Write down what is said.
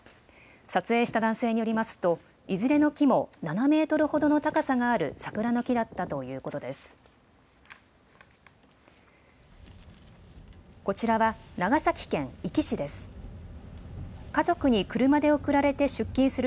撮影した男性によりますといずれの木も７メートルほどの高さがある桜の木だったということです。